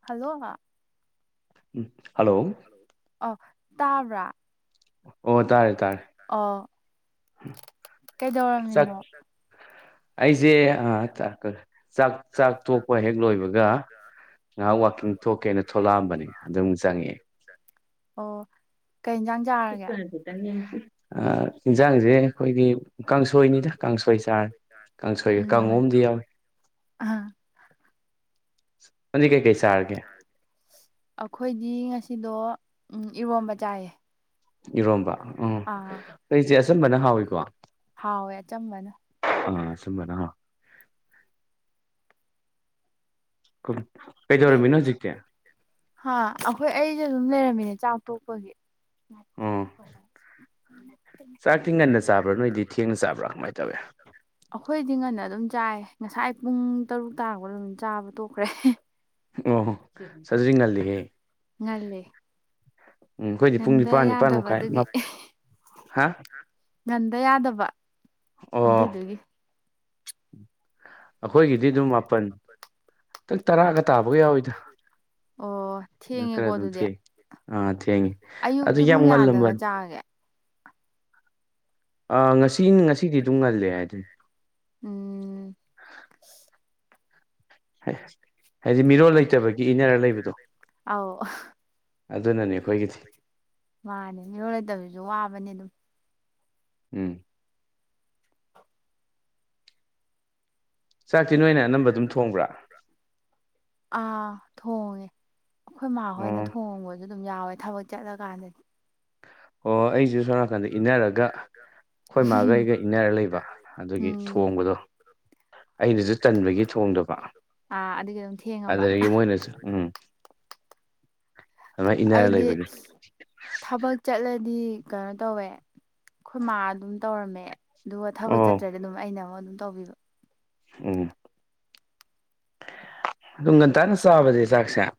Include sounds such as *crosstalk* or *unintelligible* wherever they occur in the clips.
Hello ꯎꯝ hello ꯑꯣ ꯇꯕ꯭ꯔꯥ ꯑꯣ ꯇꯥꯔꯦ ꯇꯥꯔꯦ ꯀꯩꯗꯧꯔꯝꯃꯤꯅꯣ ꯑꯩꯁꯦ ꯑꯥ ꯆꯥꯛ ꯆꯥꯛ ꯊꯣꯛꯄ ꯍꯦꯛ ꯂꯣꯏꯕꯒ ꯉꯍꯥꯛ ꯋꯥꯛꯀꯤꯡ ꯊꯣꯛꯀꯦꯅ ꯊꯣꯛꯂꯛꯑꯝꯕꯅꯦ ꯑꯗꯨꯝ ꯆꯪꯉꯛꯑꯦ ꯑꯣ ꯀꯩ ꯍꯦꯟꯖꯥꯡ ꯁꯄ ꯍꯥꯏ ꯇ ꯍꯥꯏ ꯌꯦꯤꯟꯖꯥꯡꯁꯦ ꯑꯩꯈꯣꯏꯒꯤ ꯀꯥꯡꯁꯣꯏꯅꯤꯗ ꯀꯥꯡꯁꯣꯏ ꯆꯥꯔꯦ ꯀꯥꯡꯁꯣꯏ ꯀꯥꯡꯍꯣꯝꯗꯤ ꯌꯥꯎꯏꯤ ꯍꯥꯥ ꯑꯩꯈꯣꯏꯗꯤ ꯉꯁꯤꯗꯣ ꯏꯔꯣꯝꯕ ꯆꯥꯏꯌꯦ ꯏꯔꯣꯝꯕ ꯎꯝ ꯑꯩꯁꯦ ꯑꯆꯝꯕꯅ ꯍꯥꯎꯏꯤꯀꯣ ꯑ ꯁꯃꯅ ꯀꯨꯝ ꯍꯥ ꯑꯩꯈꯣꯏ ꯑꯩꯁꯦ ꯑꯗꯨꯝ ꯂꯩꯔꯝꯃꯤꯅꯦ ꯆꯥꯛ ꯇꯣꯛꯄꯒꯤ ꯎꯝ ꯐꯔ ꯎ ꯆꯥꯛꯇꯤ ꯉꯟꯅ ꯆꯥꯕ꯭ꯔꯥ ꯅꯣꯏꯗꯤ ꯊꯦꯡꯅ ꯆꯥꯕ꯭ꯔꯥ ꯀꯃꯥꯏꯅ ꯇꯧꯋꯦ ꯑꯩꯈꯣꯏꯗꯤ ꯉꯟꯅ ꯑꯗꯨꯝ ꯆꯥꯏ ꯉꯁꯥꯏ ꯄꯨꯡ ꯇꯔꯨꯛ ꯇꯥꯔꯛꯄꯗ ꯑꯗꯨꯝ ꯆꯥꯕ ꯇꯣꯛꯈ꯭ꯔꯦ ꯑꯣ ꯁꯖꯔꯤ ꯉꯜꯗꯤꯍꯦ ꯎꯝ ꯑꯩꯈꯣꯏꯗꯤ ꯄꯨꯡ ꯅꯤꯄꯥꯥꯟ ꯅꯤꯄꯥꯥꯟ ꯃꯈꯥꯏ ꯍꯥ ꯉꯟꯗ ꯌꯥꯗꯕ ꯑꯗꯨꯏꯗꯨꯒꯤ ꯑꯩꯈꯣꯏꯒꯤꯗꯤ ꯑꯗꯨꯝ ꯃꯥꯄꯜ ꯍꯇꯪ ꯇꯔꯥꯒ ꯇꯥꯕꯒ ꯌꯥꯎꯋꯤꯗ ꯈꯔ ꯑꯗꯨꯝ ꯊꯦꯡꯉ ꯑꯥ ꯊꯦꯡꯉꯤ ꯑꯗꯨ ꯌꯥꯝ ꯉꯜꯂꯝꯕꯅꯤ ꯑ ꯉꯁꯤ ꯉꯁꯤꯗꯤ ꯑꯗꯨꯝ ꯉꯜꯂꯦ ꯍꯥꯏꯗꯨꯅꯤ ꯎꯝ ꯍ ꯍꯥꯏꯗꯤ ꯃꯤꯔꯣꯜ ꯂꯩꯇꯕꯒꯤ ꯏꯅꯔ ꯂꯩꯕꯗꯣ ꯑꯗꯨꯅꯅꯦ ꯑꯩꯈꯣꯏꯒꯤꯗꯤ ꯃꯥꯅꯦ ꯃꯤꯔꯣ ꯂꯩꯇꯕꯕꯤꯁꯨ ꯋꯥꯕꯅꯤ ꯑꯗꯨꯝ ꯎꯝ ꯆꯥꯛꯇꯤ ꯅꯣꯏꯅ ꯑꯅꯝꯕ ꯑꯗꯨꯝ ꯊꯣꯡꯕ꯭ꯔꯥ ꯑꯥ ꯊꯣꯡꯉꯦ ꯑꯩꯈꯣꯏ ꯃꯥꯍꯣꯏꯅ ꯊꯣꯡꯕꯁꯨ ꯑꯗꯨꯝ ꯌꯥꯎꯋꯦ ꯊꯕꯛ ꯆꯠꯂꯀꯥꯟꯗꯗꯤ ꯑꯣ ꯑꯩꯁꯨ ꯁꯣꯝ ꯅꯥꯀꯟꯗ ꯏꯟꯅꯔꯒ *inaudible* ꯑꯩꯈꯣꯏ ꯃꯥꯒꯩꯒ ꯏꯟꯅꯔ ꯂꯩꯕ ꯑꯗꯨꯒꯤ ꯊꯣꯡꯕꯗꯣ ꯑꯩꯅꯁꯨ ꯆꯟꯕꯒꯤ ꯊꯣꯡꯗꯕ ꯑꯗꯨꯗꯒꯤ ꯃꯣꯏꯅꯁꯨ ꯎꯝ ꯑꯩꯗꯤ ꯊꯕꯛ ꯆꯠꯂꯗꯤ ꯀꯩꯅꯣ ꯇꯧꯋꯦ ꯑꯩꯈꯣꯏ ꯃꯥ ꯑꯗꯨꯝ ꯇꯧꯔꯝꯃꯦ ꯑꯗꯨꯒ ꯊꯕꯛ ꯆꯠꯇ꯭ꯔꯗꯤ ꯑꯗꯨꯝ ꯑꯩꯅ ꯑꯃꯨꯛ ꯑꯗꯨꯝ ꯇꯧꯕꯤꯕ ꯎꯝ ꯑꯗꯨꯒ ꯇ ꯑꯅꯁꯨꯕꯗꯤ ꯁꯥꯁꯌꯥ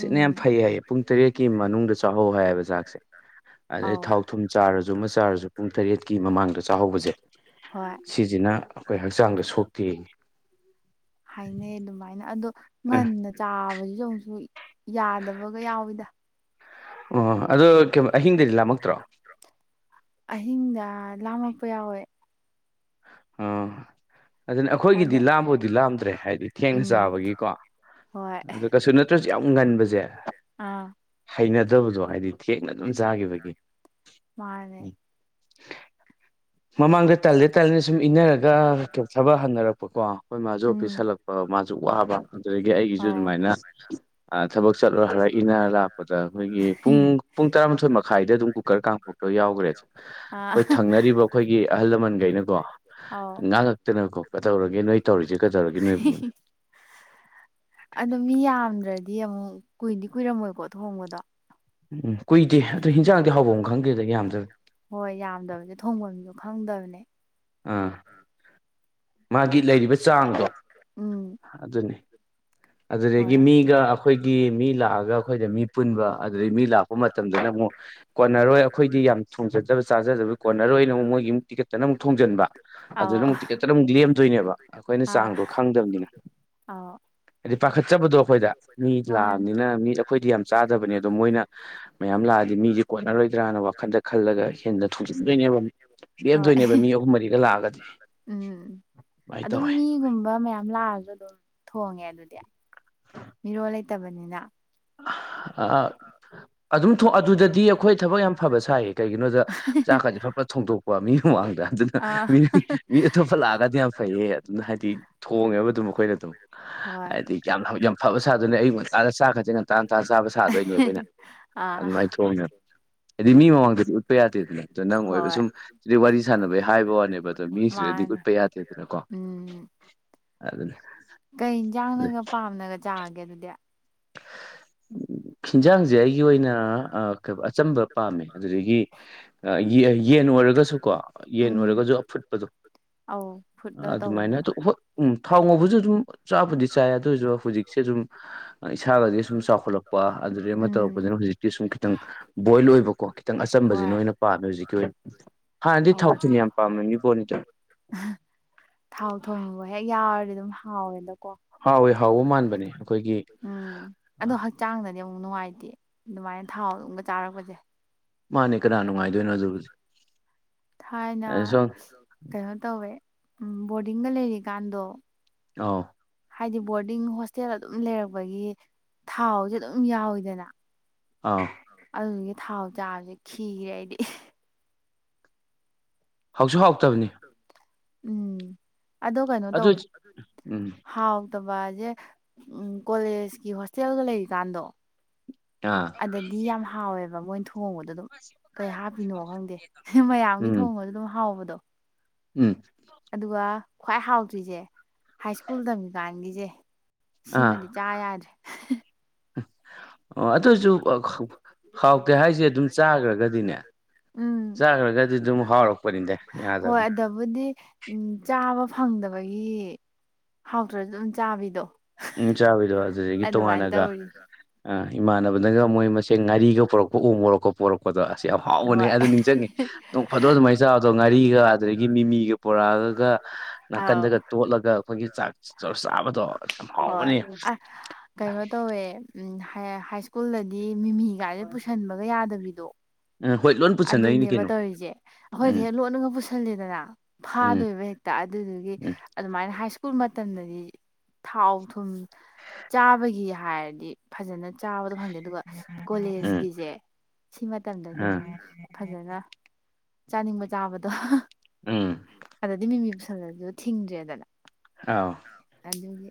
ꯁꯤꯠꯅ ꯌꯥꯝ ꯐꯩ ꯍꯥꯏꯌꯦ ꯄꯨꯡ ꯇꯔꯦꯠꯀꯤ ꯃꯅꯨꯡꯗ ꯆꯥꯛꯍꯧ ꯍꯥꯏꯕ ꯆꯥꯛꯁꯦ ꯑꯗꯩ ꯊꯥꯎ ꯊꯨꯝ ꯆꯥꯔꯁꯨ ꯑꯃ ꯆꯥꯔꯁꯨ ꯄꯨꯡ ꯇꯔꯦꯠꯀꯤ ꯃꯃꯥꯡꯗ ꯆꯥꯍꯧꯕꯁꯦ ꯍꯣꯏ ꯁꯤꯁꯤꯅ ꯑꯩꯈꯣꯏ ꯍꯛꯆꯥꯡꯗ ꯁꯣꯛꯇ ꯌꯦꯉꯤ ꯍꯥꯏꯅꯩ ꯑꯗꯨꯃꯥꯏꯅ ꯑꯗꯣ ꯉꯟꯅ ꯆꯥꯕꯁꯤꯁꯨꯨꯛꯁꯨ ꯌꯥꯗꯕꯒ ꯌꯥꯎꯋꯤꯗ ꯑꯣ ꯑꯗ ꯑꯍꯤꯡꯗ ꯂꯥꯝꯃꯛꯄ ꯌꯥꯎꯋꯦ ꯑꯥ ꯑꯗꯨꯅ ꯑꯩꯈꯣꯏꯒꯤꯗꯤ ꯂꯥꯝꯕꯕꯨꯗꯤ ꯂꯥꯝꯗ꯭ꯔꯦ ꯍꯥꯏꯗꯤ ꯊꯦꯡꯅ ꯆꯥꯕꯒꯤꯀꯣ ꯑꯗꯨ ꯀꯩꯁꯨ ꯅꯠꯇ꯭ꯔꯁꯨ ꯌꯥꯝ ꯉꯟꯕꯁꯦ ꯍꯩꯅꯗꯕꯗꯣ ꯍꯥꯏꯗꯤ ꯊꯦꯡꯅ ꯑꯗꯨꯝ ꯆꯥꯈꯤꯕꯒꯤ ꯃꯥꯅꯦ ꯃꯃꯥꯡꯒ ꯇꯜꯅꯦ ꯇꯜꯅꯤ ꯁꯁꯨꯝ ꯏꯅꯔꯒ ꯊꯕꯛ ꯍꯟꯅꯔꯛꯄꯀꯣ ꯑꯩꯣꯏ ꯃꯥꯁꯨ ꯑꯣꯐꯤꯁ ꯍꯜꯂꯛꯄ ꯃꯥꯁꯨ ꯋꯥꯕ ꯑꯗꯩꯩꯒꯤ ꯑꯩꯒꯤꯁꯨ ꯑꯗꯨꯃꯥꯏꯅ *inaudible* ꯊꯕꯛ ꯆꯠꯂꯨꯔ ꯏꯟꯅꯔ ꯂꯥꯛꯄꯗ ꯑꯩꯈꯣꯏꯒꯤ ꯄꯨꯡ ꯄꯨꯡ ꯇꯔꯥꯃꯊꯣꯏ ꯃꯈꯥꯏꯗ ꯑꯗꯨꯝ ꯀꯨꯀꯔ ꯀꯥꯝ ꯂꯣꯏ ꯌꯥꯎꯒ꯭ꯔꯦ ꯆꯦ ꯑꯩꯈꯣꯏ ꯊꯪꯅꯔꯤꯕ ꯑꯈꯣꯏꯒꯤ ꯑꯍꯜ ꯂꯃꯟꯈꯩꯅꯀꯣ ꯉꯥꯡꯉꯛꯇꯅꯀꯣ ꯀꯗꯧꯔꯒꯦ ꯅꯣꯏ ꯇꯧꯔꯤꯁꯦ ꯀꯩꯗꯧꯔꯒꯦ ꯅꯣꯏꯕꯨꯅ ꯑꯗꯣ ꯃꯤ ꯌꯥꯝꯗ꯭ꯔꯗꯤ ꯑꯃꯨꯛ ꯀꯨꯏꯗꯤ ꯀꯨꯏꯔꯝꯃꯣꯏꯀꯣ ꯊꯣꯡꯕꯗꯣ ꯎꯝ ꯀꯨꯏꯗꯦ ꯗꯣ ꯍꯤꯟꯖꯥꯡꯗꯤ ꯍꯥꯎꯕꯝ ꯈꯪꯗꯦꯗ ꯌꯥꯝꯗꯕ ꯍꯣꯏ ꯌꯥꯝꯗꯕꯖꯦ ꯊꯣꯡꯕꯝꯁꯨ ꯈꯪꯗꯕꯅꯦ ꯑꯥ *inaudible* ꯎꯝ ꯍꯥ ꯑꯗꯨꯅꯤ *inaudible* ꯑꯗꯨꯗꯒꯤ ꯃꯤꯒ ꯑꯈꯣꯏꯒꯤ ꯃꯤ ꯂꯥꯛꯑꯒ ꯑꯈꯣꯏꯗ ꯃꯤ ꯄꯨꯟꯕ ꯑꯗꯨꯗꯩꯩ ꯃꯤ ꯂꯥꯛꯄ ꯃꯇꯝꯗꯅ ꯑꯃꯨꯛ ꯀꯣꯟꯅꯔꯣꯏ ꯑꯈꯣꯏꯗꯤ ꯌꯥꯝ ꯊꯣꯡꯖꯗꯕ ꯆꯥꯖꯗꯕ ꯀꯣꯟꯅꯔꯣꯏꯅ ꯑꯃꯨꯛ ꯃꯣꯏꯒꯤ ꯑꯃꯨꯛ ꯇꯤꯀꯠꯇꯅ ꯑꯃꯨꯛ ꯊꯣꯡꯖꯤꯟꯕ ꯑꯗꯨꯗ ꯑꯃꯨꯛ ꯇꯤꯛꯀꯠꯇꯅ ꯑꯃꯨꯛ ꯂꯦꯝꯗꯣꯏꯅꯦꯕ ꯑꯈꯣꯏꯅ ꯆꯥꯡꯗꯣ ꯈꯪꯗꯝꯅꯤꯅ ꯑꯥꯎ ꯍꯥꯏꯗꯤ ꯄꯥꯈꯠꯆꯕꯗꯣ ꯑꯩꯈꯣꯏꯗ ꯃꯤ ꯂꯥꯛꯑꯕꯅꯤꯅ ꯃꯤ ꯑꯩꯈꯣꯏꯗꯤ ꯌꯥꯝ ꯆꯥꯗꯕꯅꯦ ꯑꯗꯣ ꯃꯣꯏꯅ ꯃꯌꯥꯝ ꯂꯥꯛꯑꯗꯤ ꯃꯤꯖꯦ ꯀꯣꯟꯅꯔꯣꯏꯗ꯭ꯔꯥꯅ ꯋꯥꯈꯜꯗ ꯈꯜꯂꯒ ꯍꯦꯟꯅ ꯊꯣꯡꯖꯤꯛꯗꯣꯏꯅꯦꯕ ꯑꯃꯨꯛ ꯂꯦꯝꯗꯣꯏꯅꯦꯕ ꯃꯤ ꯑꯍꯨꯝ ꯃꯔꯤꯒ ꯂꯥꯛꯑꯒꯗꯤ ꯑꯗꯨꯝ ꯃꯤꯒꯨꯝꯕ ꯃꯌꯥꯝ ꯂꯥꯛꯑꯖꯨ ꯑꯗꯨꯝ ꯊꯣꯡꯉꯦ ꯑꯗꯨꯗꯤ *inaudible* ꯃꯤꯔꯣꯜ ꯂꯩꯇꯕꯅꯤꯅ ꯑꯥ ꯑꯑꯥ ꯑꯗꯨꯝ ꯊꯣꯡ ꯑꯗꯨꯗꯗꯤ ꯑꯈꯣꯏ ꯊꯕꯛ ꯌꯥꯝ ꯐꯕ ꯁꯥꯏꯌꯦ ꯀꯩꯒꯤꯅꯣꯗ ꯆꯥꯛꯀꯁꯦ ꯐꯠ ꯐꯠ ꯊꯣꯡꯗꯣꯛ ꯀꯣ ꯃꯤ ꯃꯃꯥꯡꯗ ꯑꯗꯨꯅ ꯃꯤ ꯃꯤ ꯃꯤ ꯑꯇꯣꯞꯄ ꯂꯥꯛꯑꯒꯗꯤ ꯌꯥꯝ ꯐꯩ ꯍꯦ ꯑꯗꯨꯅ ꯍꯥꯏꯗꯤ ꯊꯣꯡꯉꯦꯕ ꯑꯗꯨꯝ ꯑꯈꯣꯏꯅ ꯑꯗꯨꯝ ꯍꯥꯏꯗꯤ ꯌꯥꯝ ꯌꯥꯝ ꯐꯕ ꯁꯥꯗꯣꯏꯅꯦ ꯑꯌꯨꯛ ꯉꯟꯇꯥꯗ ꯆꯥꯛꯀꯁꯦ ꯉꯟꯇ ꯇꯥꯟꯇꯅ ꯆꯥꯕ ꯁꯥꯗꯣꯏꯅꯦ ꯑꯈꯣꯏꯅ ꯑꯗꯨꯃꯥꯏ ꯊꯣꯡꯉꯦꯕ ꯍꯥꯏꯗꯤ ꯃꯤ ꯃꯃꯥꯡꯗꯗꯤ ꯎꯠꯄ ꯌꯥꯗꯦꯗꯅ ꯑꯗꯣ ꯅꯪ ꯑꯣꯏꯕ ꯁꯨꯝ ꯁꯤꯗꯤ ꯋꯥꯔꯤ ꯁꯥꯟꯅꯕꯩ ꯍꯥꯏꯕꯩ ꯋꯥꯅꯦꯕ ꯑꯗꯣ ꯃꯤꯁꯤꯗꯗꯤ ꯎꯠꯄ ꯌꯥꯗꯦꯗꯅꯀꯣ ꯎꯝ ꯑꯗꯨꯅꯤ ꯀꯩ ꯏꯟꯖꯥꯡꯅꯒ ꯄꯥꯝꯅꯒ ꯆꯥꯒꯦ ꯑꯗꯨꯗꯤ ꯍꯤꯟꯖꯥꯡꯖꯦ ꯑꯩꯒꯤ ꯑꯣꯏꯅ ꯑꯥ ꯀꯩꯕ ꯑꯆꯝꯕ ꯄꯥꯝꯃꯦ ꯑꯗꯨꯗꯒꯤ ꯑꯥ ꯌꯦꯟ ꯌꯦꯟ ꯑꯣꯏꯔꯒꯁꯨ ꯀꯣ ꯌꯦꯟ ꯑꯣꯏꯔꯒꯁꯨ ꯑꯐꯨꯠꯄꯗꯣ ꯑ ꯑꯗꯨꯃꯥꯏꯅ ꯇꯨ ꯍꯣꯢ ꯎꯝ ꯊꯥꯎ ꯉꯧꯕꯁꯨ ꯑꯗꯨꯝ ꯆꯥꯕꯗꯤ ꯆꯥꯏꯌꯦ ꯑꯗꯨꯑꯣꯏꯁꯨ ꯍꯧꯖꯤꯛꯁꯦ ꯑꯗꯨꯝ ꯑꯥ ꯏꯁꯥꯒꯖꯦ ꯁꯨꯝ ꯆꯥꯎꯈꯠꯂꯛꯄ ꯑꯗꯨꯗꯒꯤ ꯑꯃ ꯇꯧꯔꯛꯄꯁꯤꯅ ꯍꯧꯖꯤꯛꯇꯤ ꯁꯨꯝ ꯈꯤꯇꯪ ꯕꯣꯏꯜ ꯑꯣꯏꯕꯀꯣ ꯈꯤꯇꯪ ꯑꯆꯝꯕꯁꯤꯅ ꯑꯣꯏꯅ ꯄꯥꯝꯃꯦ ꯍꯧꯖꯤꯛꯀꯤ ꯑꯣꯏꯅ ꯍꯥꯟꯅꯗꯤ ꯊꯥꯎ ꯊꯨꯟ ꯌꯥꯝ ꯄꯥꯃꯝꯃꯤꯄꯣꯠꯅꯤꯗ ꯑꯍꯥ ꯊꯥꯎ ꯊꯨꯝꯕꯨ ꯍꯦꯛ ꯌꯥꯎꯔꯗꯤ ꯑꯗꯨꯝ ꯍꯥꯎꯋꯦꯗꯀꯣ ꯍꯥꯎꯋꯦ ꯍꯥꯎꯕ ꯃꯥꯟꯕꯅꯦ ꯑꯈꯣꯏꯒꯤ ꯑꯗꯣ ꯍꯛꯆꯥꯡꯗꯗꯤ ꯑꯃꯨꯛ ꯅꯨꯡꯉꯥꯏꯇꯦ ꯑꯗꯨꯃꯥꯏꯅ ꯊꯥꯎ ꯑꯗꯨꯝꯒ ꯆꯥꯔꯛꯄꯁꯦ ꯃꯥꯟꯅꯦ ꯀꯅꯥ ꯅꯨꯡꯉꯥꯏꯗꯣꯏꯅꯣ ꯑꯗꯨꯕꯨꯗꯤ ꯊꯥꯏꯅ *unintelligible* ꯀꯩꯅꯣ ꯇꯧꯋꯦ ꯕꯣꯔꯗꯤꯡꯗ ꯂꯩꯔꯤꯀꯥꯟꯗꯣ ꯑꯥꯎ ꯍꯥꯏꯗꯤ ꯕꯣꯔꯗꯤꯡ ꯍꯣꯁꯇꯦꯜ ꯑꯗꯨꯝ ꯂꯩꯔꯛꯄꯒꯤ ꯊꯥꯎꯁꯦ ꯑꯗꯨꯝ ꯌꯥꯎꯋꯤꯗꯅ ꯑꯥꯎ ꯑꯗꯨꯗꯨꯒꯤ ꯊꯥꯎ ꯆꯥꯕꯁꯦ ꯈꯤꯔꯦ ꯑꯩꯗꯤ ꯏ *inaudible* ꯎꯝ ꯑꯗꯣ ꯀꯩꯅꯣ ꯇꯧꯋꯦ *inaudible* ꯍꯥꯎ ꯇꯕꯥꯁꯦ ꯎꯝ ꯀꯣꯂꯦꯖꯀꯤ ꯍꯣꯁꯇꯦꯜꯒ ꯂꯩꯔꯤꯀꯥꯟꯗꯣ ꯑꯗꯗꯤ ꯌꯥꯝ ꯍꯥꯎꯋꯦꯕ ꯃꯣꯏꯅ ꯊꯣꯡꯕꯗꯣ꯫ ꯑꯗꯨꯝ ꯀꯩ ꯍꯥꯞꯄꯤꯅꯣ ꯈꯪꯗꯦ ꯁꯤ ꯃꯌꯥꯝꯒꯤ ꯊꯣꯡꯉꯁꯨ ꯑꯗꯨꯝ ꯍꯥꯎꯕꯗꯣ꯫ ꯎꯝ꯫ ꯑꯗꯨꯒ ꯈ꯭ꯋꯥꯏ ꯍꯥꯎꯇ꯭ꯔꯤꯁꯦ ꯍꯥꯏ ꯁ꯭ꯀꯨꯜ ꯇꯝꯃꯤꯀꯥꯟꯒꯤꯁꯦ ꯁꯤꯃꯗꯤ꯫ ꯆꯥ ꯌꯦꯗꯔꯦ꯫ ꯑꯣ ꯑꯗꯨꯁꯨ ꯍꯥꯎꯇꯦ ꯍꯥꯏꯁꯦ ꯑꯗꯨꯝ ꯆꯥꯈ꯭ꯔꯒꯗꯤꯅꯦ꯫ ꯆꯥꯈ꯭ꯔꯒꯗꯤ ꯑꯗꯨꯝ ꯍꯥꯎꯔꯛꯄꯅꯤꯅꯦ ꯌꯥꯗꯕꯅꯤ꯫ ꯑꯗꯨꯕꯨꯗꯤ ꯎ ꯆꯥꯕ ꯐꯪꯗꯕꯒꯤ ꯍꯥꯎꯇ꯭ꯔꯁꯨ ꯑꯗꯨꯝ ꯆꯥꯕꯤꯗꯣ꯫ ꯎꯝ ꯆꯥꯕꯣꯏꯗꯣ ꯑꯗꯨꯗꯒꯤ ꯇꯣꯉꯥꯟꯅꯒ꯫ ꯑ ꯏꯃꯥꯟꯅꯕꯅꯒ ꯃꯣꯏ ꯃꯁꯦ ꯉꯥꯔꯤꯒ ꯄꯨꯣꯔꯛꯄ ꯎ ꯄꯣꯔꯛꯄ ꯄꯣꯔꯛꯄꯗꯣ ꯑꯁꯤꯁ ꯌꯥꯝ ꯍꯥꯎꯕꯅꯦ ꯑꯗꯨ ꯅꯤꯡꯁꯤꯡꯉꯤ꯫ ꯅꯣꯡ ꯐꯗꯣ ꯑꯗꯨꯃꯥꯏꯅ ꯆꯥꯕꯗꯣ ꯉꯥꯔꯤꯒ ꯑꯗꯨꯗꯒꯤ ꯃꯤꯃꯤꯒ ꯄꯨꯣꯔꯛꯑꯒ ꯅꯥꯀꯟꯗꯒ ꯇꯣꯠꯂꯒ꯫ ꯑꯩꯈꯣꯏꯒꯤ ꯆꯥꯛ ꯆꯔ ꯆꯥꯕꯗꯣ꯫ ꯍꯣꯏ ꯑꯀ ꯀꯩꯅꯣ ꯇꯧꯋꯦ꯫ ꯎꯝ ꯍꯥꯏ ꯁ꯭ꯀꯨꯜꯗꯗꯤ ꯃꯤꯃꯤꯒꯥꯏꯁꯦ ꯄꯨꯁꯟꯕꯒ ꯌꯥꯗꯕꯤꯗꯣ꯫ ꯑꯗꯨꯅꯦꯕ ꯇꯧꯔꯤꯁꯦ꯫ ꯑꯩꯈꯣꯏꯗꯤ ꯍꯦꯛ ꯂꯣꯠꯅꯒ ꯄꯨꯁꯤꯜꯂꯦꯗꯅ ꯐꯥꯗꯣꯏꯕ ꯍꯦꯛꯇ ꯑꯗꯨꯗꯨꯒꯤ꯫ ꯑꯗꯨꯃꯥꯏꯅ ꯍꯥꯏ ꯁ꯭ꯀꯨꯜ ꯃꯇꯝꯗꯗꯤ ꯊꯥꯎ ꯊꯨꯝ꯫ ꯆꯥꯕꯒꯤ ꯍꯥꯏꯔꯗꯤ ꯐꯖꯅ ꯆꯥꯕꯗꯣ ꯐꯪꯗꯦ꯫ ꯑꯗꯨꯒ ꯀꯣꯂꯦꯖꯀꯤꯁꯦ ꯁꯤ ꯃꯇꯝꯗ꯫ ꯎꯝ ꯐꯖꯅ ꯆꯥꯅꯤꯡꯕ ꯆꯥꯕꯗꯣ꯫ ꯎꯥꯝ꯫ ꯑꯗꯨꯗꯗꯤ ꯃꯤꯃꯤ ꯄꯨꯁꯜꯂꯁꯨ ꯊꯤꯡꯗ꯭ꯔꯦꯗꯅ꯫ ꯑꯥꯎ꯫ ꯑꯗꯨꯒꯤ꯫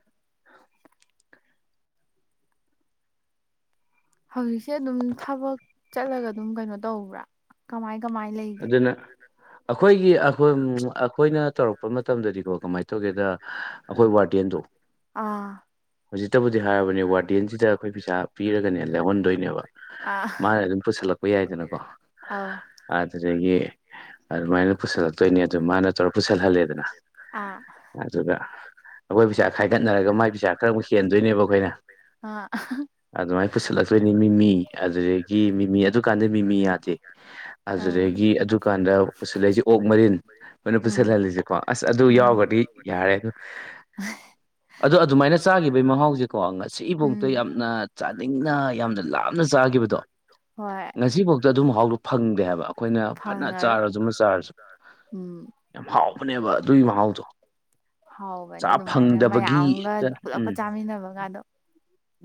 ꯍꯧꯖꯤꯛꯁꯦ ꯑꯗꯨꯝ ꯊꯕꯛ ꯆꯠꯂꯒ ꯑꯗꯨꯝ ꯀꯩꯅꯣ ꯇꯧꯕ꯭ꯔꯥ꯫ ꯀꯃꯥꯏ ꯀꯃꯥꯏ ꯂꯩꯒꯦ꯫ ꯑꯩꯈꯣꯏꯒꯤ ꯑꯩꯈꯣꯏꯅ ꯇꯧꯔꯛꯄ ꯃꯇꯝꯗꯗꯤꯀꯣ ꯀꯃꯥꯏꯅ ꯇꯧꯒꯦꯗ꯫ ꯑꯩꯈꯣꯏ ꯋꯥꯔꯗꯦꯟꯗꯣ꯫ ꯑꯥ꯫ ꯍꯧꯖꯤꯛꯇꯕꯨꯗꯤ ꯍꯥꯏꯔꯕꯅꯦ ꯋꯥꯔꯗꯦꯟꯁꯤꯗ ꯑꯩꯈꯣꯏ ꯄꯩꯁꯥ ꯄꯤꯔꯒꯅꯦ ꯂꯧꯍꯟꯗꯣꯏꯅꯦꯕ꯫ ꯃꯥꯅ ꯑꯗꯨꯝ ꯄꯨꯁꯜꯂꯛꯄ ꯌꯥꯏꯗꯅꯀꯣ꯫ ꯑꯥꯎ꯫ ꯑꯗꯨꯗꯒꯤ ꯑꯗꯨꯃꯥꯏꯅ ꯄꯨꯁꯜꯂꯛꯇꯣꯏꯅꯦ ꯑꯗꯨ ꯃꯥꯅ ꯇꯧꯔꯒ ꯄꯨꯁꯜꯍꯜꯂꯦꯗꯅ꯫ ꯑꯗꯨꯒ ꯑꯩꯈꯣꯏ ꯄꯩꯁꯥ ꯈꯥꯏꯒꯠꯅꯔꯒ ꯃꯥꯏ ꯄꯩꯁꯥ ꯈꯔꯨꯛ ꯍꯦꯟꯗꯣꯏꯅꯦꯕ ꯑꯩꯈꯣꯏꯅ꯫ ꯑꯥꯍ꯫ ꯑꯗꯨꯃꯥꯏꯅ ꯄꯨꯁꯤꯜꯂꯛꯇꯣꯏꯅꯤ ꯃꯤꯃꯤ ꯑꯗꯨꯗꯒꯤ ꯃꯤꯃꯤ ꯑꯗꯨꯀꯥꯟꯗ ꯃꯤꯃꯤ ꯌꯥꯗꯦ꯫ ꯑꯗꯨꯗꯒꯤ ꯑꯗꯨꯀꯥꯟꯗ ꯄꯨꯁꯤꯜꯂ꯫ ꯑꯩꯁꯦ ꯑꯣꯛ ꯃꯔꯤꯟ ꯃꯈꯣꯏꯅ ꯄꯨꯁꯤꯜꯍꯜꯂꯤꯁꯦꯀꯣ ꯑꯁ ꯑꯗꯨ ꯌꯥꯎꯔꯒꯗꯤ ꯌꯥꯔꯦ ꯫ *unintelligible* ꯑꯗꯣ ꯑꯗꯨꯃꯥꯏꯅ ꯆꯥꯈꯤꯕꯒꯤ ꯃꯍꯥꯎꯁꯦꯀꯣ ꯉꯁꯤꯐꯥꯎꯗ ꯌꯥꯝꯅ ꯆꯥꯅꯤꯡꯅ ꯌꯥꯝꯅ ꯂꯥꯞꯅ ꯆꯥꯈꯤꯕꯗ꯫ ꯍꯣꯏ꯫ ꯑꯩꯈꯣꯏꯅ ꯐꯅ ꯆꯥꯔꯁꯨꯃ ꯆꯥꯔꯁꯨ ꯌꯥꯝ ꯍꯥꯎꯕꯅꯦꯕ ꯑꯗꯨꯒꯤ ꯃꯍꯥꯎꯗꯣ꯫ ꯆꯥ ꯐꯪꯗꯕꯒꯤ ꯍꯦꯛꯇ ꯎꯝ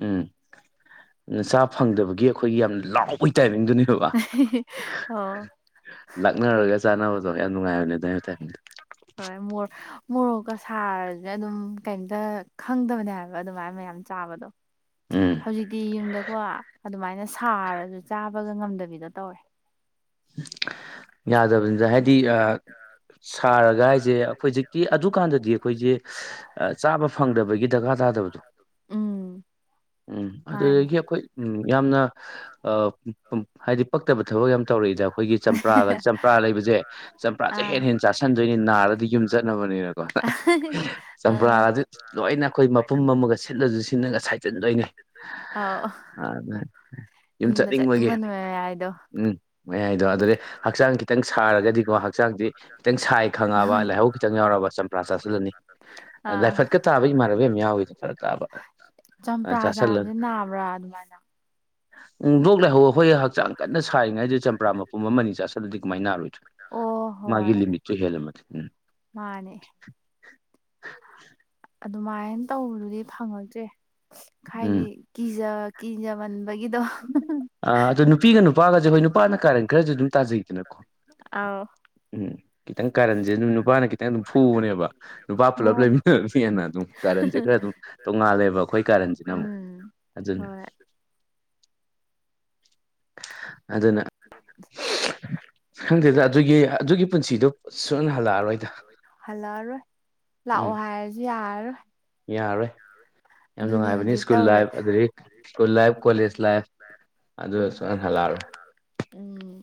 ꯎꯝ꯫ ꯑ *unintelligible* ꯆꯥ ꯐꯪꯗꯕꯒꯤ ꯑꯩꯈꯣꯏꯒꯤ ꯌꯥꯝ ꯂꯥꯎꯕꯩ ꯇꯥꯏꯃꯤꯡꯗꯨꯅꯦꯕ꯫ ꯂꯥꯛꯅꯔꯒ ꯆꯥꯅꯕꯗꯣ ꯌꯥꯝ ꯅꯨꯡꯉꯥꯏꯕꯅꯦ ꯑꯗꯨꯩꯅ ꯇꯥꯏꯃꯤꯡꯗ꯫ ꯍꯣꯏ ꯃꯣꯔ ꯃꯣꯔꯣꯛꯀ ꯁꯥꯔꯁꯦ ꯑꯗꯨꯝ ꯀꯩꯝꯇ ꯈꯪꯗꯕꯅꯦ ꯍꯥꯏꯕ ꯑꯗꯨꯃꯥꯏꯅ ꯃꯌꯥꯝ ꯆꯥꯕꯗꯣ꯫ *unintelligible* ꯎꯝ꯫ ꯇꯤ ꯌꯨꯝꯗꯀꯣ ꯑꯗꯨꯃꯥꯏꯅ ꯁꯥꯔꯁꯨ ꯆꯥꯕꯒ ꯉꯝꯗꯕꯤꯗ ꯇꯧꯔꯦ꯫ ꯌꯥꯗꯕꯅꯤꯁꯦ ꯍꯥꯏꯗꯤ ꯁꯥꯔꯒ ꯍꯥꯏꯁꯦ ꯑꯩꯈꯣꯏ ꯍꯧꯖꯤꯛꯀꯤ ꯑꯗꯨꯀꯥꯟꯗꯗꯤ ꯑꯩꯈꯣꯏꯁꯦ ꯆꯥꯕ ꯐꯪꯗꯕꯒꯤ ꯗꯔꯀꯥꯔ ꯇꯥꯗꯕꯗꯣ ꯎꯝ ꯎꯝ ꯑꯗꯨꯗꯒꯤ ꯑꯩꯈꯣꯏ ꯎꯝ ꯌꯥꯝꯅ ꯍꯥꯏꯗꯤ ꯄꯛꯇꯕ ꯊꯕꯛ ꯌꯥꯝ ꯇꯧꯔ ꯦꯄ ꯆꯥꯁꯟꯗꯣꯏꯅꯤ ꯅꯥꯔꯗꯤ ꯌꯨꯝ ꯆꯠꯅꯕꯅꯤꯅꯀꯣ ꯆꯝꯄ꯭ꯔꯥꯥꯁꯦ ꯂꯣꯏꯅ ꯑꯩꯈꯣꯏ ꯐꯨꯝ ꯑꯃꯒ ꯁꯤꯠꯂꯁꯨ ꯁꯤꯠꯂꯒ ꯁꯥꯏꯖꯤꯟꯗꯣꯏꯅꯤ ꯑꯗꯨ ꯌꯨꯝ ꯆꯠꯅꯤꯡꯕꯒꯤ ꯎꯝ ꯃꯌꯥꯏꯗꯣ ꯑꯗꯨꯗꯤ ꯍꯛꯆꯥꯡ ꯈꯤꯇꯪ ꯁꯥꯔꯒꯗꯤꯀꯣ ꯍꯛꯆꯥꯡꯗꯤ ꯈꯤꯇꯪ ꯁꯥꯏ ꯈꯪꯉꯑꯕ ꯂꯥꯏꯍ ꯈꯤꯇꯪ ꯌꯥꯎꯔꯕꯕ ꯆꯝ ꯄ꯭ꯔꯥ ꯆꯥꯁꯤꯜꯂꯅꯤ ꯂꯥꯏꯐꯠꯀ ꯇꯥꯕ ꯏꯃꯥꯟꯅꯕ ꯌꯥꯝ ꯌꯥꯎꯏꯤꯗ ꯐꯔ ꯇꯥꯕ ꯆꯝꯄ꯭ꯔꯥ ꯆꯥꯕꯁ ꯅꯥꯕ꯭ꯔꯥ ꯑꯗꯨꯃꯥꯏꯅ ꯅꯨꯡꯗꯣꯛ ꯂꯩꯍꯧ ꯑꯩꯈꯣꯏ ꯍꯛꯆꯥꯡ ꯀꯟꯅ ꯁꯥꯏꯔꯤꯉꯩꯗꯨ ꯆꯝꯄ꯭ꯔꯥ ꯃꯄꯨꯝ ꯑꯃꯅꯤ ꯆꯥꯁꯤꯜꯂꯗꯤ ꯀꯃꯥꯏꯅ ꯅꯥꯔꯣꯏꯗꯣꯏꯣ ꯃꯥꯒꯤ ꯂꯤꯃꯤꯠꯇꯁꯨꯨ ꯍꯦꯜꯂꯝꯃꯅꯤ ꯎꯝ ꯃꯥꯅꯦ ꯑꯗꯨꯃꯥꯏꯅ ꯇꯧꯕꯗꯨꯗꯤ ꯐꯪꯉꯛꯇ꯭ꯔꯦ ꯍꯥꯏꯗꯤ ꯀꯤꯖ ꯀꯤꯖꯕꯟ ꯑꯣ ꯅꯨꯄꯤꯒ ꯅꯨꯄꯥꯒꯗꯤꯅ ꯀꯥꯔ ꯑꯥꯎ ꯈꯤꯇꯪ ꯀꯔꯟꯁꯦ ꯑꯗꯨꯝ ꯅꯨꯄꯥꯅ ꯈꯤꯇꯪ ꯑꯗꯨꯝ ꯐꯨꯕꯅꯦꯕ ꯅꯨꯄꯥ ꯄꯨꯜꯂꯞ ꯂꯩꯃꯤꯟꯅꯔ ꯍꯦꯅ ꯑꯗꯨꯝ ꯀꯥꯔꯟꯁꯦ ꯈꯔ ꯑꯗꯨꯝ ꯇꯣꯉꯥꯜꯂꯦꯕ ꯑꯩꯈꯣꯏ ꯀꯥꯔꯟꯁꯤꯅ ꯑꯃꯨꯛ ꯑꯗꯨꯅꯤ ꯑꯗꯨꯅ ꯈꯪꯗꯦꯗ ꯑꯗꯨꯒꯤ ꯑꯗꯨꯒꯤ ꯄꯨꯟꯁꯤꯗꯣ ꯁꯨꯞꯅ ꯍꯜꯂꯛꯑꯔꯣꯏꯗ ꯍꯜꯂꯛꯑꯔꯣꯏ ꯂꯥꯛꯑꯣ ꯍꯥꯏꯔꯁꯨ ꯌꯥꯔꯔꯣꯏ ꯌꯥꯔꯣꯏ ꯌꯥꯝ ꯅꯨꯡꯉꯥꯏꯕꯅꯤ ꯁ꯭ꯀꯨꯜ ꯂꯥꯏꯐ ꯑꯗꯨꯗꯒꯤ ꯁ꯭ꯀꯨꯜ ꯂꯥꯏꯐ ꯀꯣꯂꯦꯖ ꯂꯥꯏꯐ ꯑꯗꯨ ꯁꯃꯥꯏꯅ ꯍꯜꯂꯛꯑꯔꯣꯏ ꯎꯝ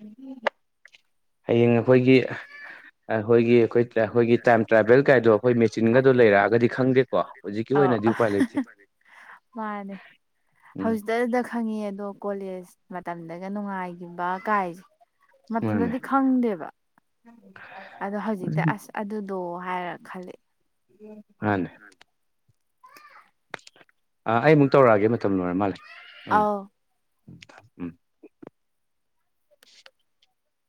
ꯎꯝ ꯍꯌꯦꯡ ꯑꯩꯈꯣꯏꯒꯤ ꯑꯩꯈꯣꯏꯒꯤ ꯑꯩꯈꯣꯏ ꯑꯩꯈꯣꯏꯒꯤ ꯇꯥꯏꯝ ꯇ꯭ꯔꯥꯚꯦꯜ ꯒꯥꯏꯗꯣ ꯑꯩꯈꯣꯏ ꯃꯦꯆꯤꯟꯒꯗꯣ ꯂꯩꯔꯛꯑꯒꯗꯤ ꯈꯪꯗꯦ ꯑꯧ ꯃꯥꯅꯦ ꯍꯧꯖꯤꯛ ꯈꯪꯉꯤ ꯑꯗꯣ ꯀꯣꯂꯦꯖ ꯃꯇꯝꯗꯒ ꯅꯨꯡꯉꯥꯏꯈꯤꯕ ꯀꯥꯏꯁꯦ ꯃꯇꯝꯗꯗꯤ ꯈꯪꯗꯦꯕ ꯎꯝ ꯑꯗꯣ ꯍꯧꯖꯤꯛꯇꯤ ꯑꯁ ꯑꯗꯨꯗꯣ ꯍꯥꯏꯔ ꯈꯂ ꯍꯅꯦ ꯎꯝ ꯑꯥ ꯑꯩ ꯑꯃꯨꯛ ꯇꯧꯔꯛꯑꯒꯦ ꯃꯇꯝ ꯂꯣꯏꯔ ꯃꯥꯜꯂꯦ ꯎꯝ ꯎꯝ ꯊꯝꯃꯦ